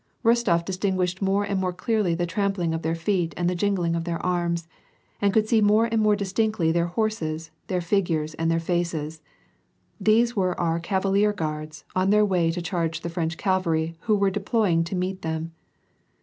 Eostof distinguished more and more clearly the trampling of their feet and the jingling of their arms, and ootdd see more and more distinctly their horses, their figures, and their faces. These were our " Cavalier guards " on their way to charge the French cavalry who were deploying to meet them.